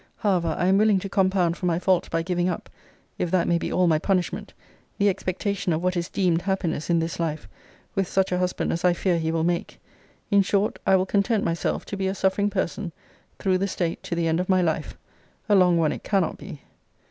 However, I am willing to compound for my fault, by giving up, (if that may be all my punishment) the expectation of what is deemed happiness in this life, with such a husband as I fear he will make. In short, I will content myself to be a suffering person through the state to the end of my life. A long one it cannot be!